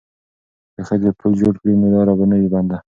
که ښځې پل جوړ کړي نو لاره به نه وي بنده.